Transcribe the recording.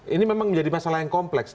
ini memang menjadi masalah yang kompleks